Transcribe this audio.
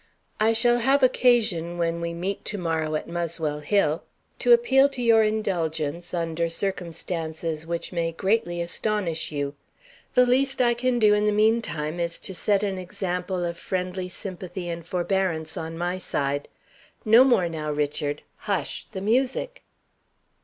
I shall have occasion, when we meet to morrow at Muswell Hill, to appeal to your indulgence under circumstances which may greatly astonish you. The least I can do, in the meantime, is to set an example of friendly sympathy and forbearance on my side. No more now, Richard. Hush! the music!"